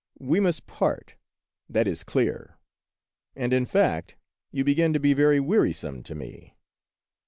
We must part, that is clear; and in fact, you begin to be very weari some to me.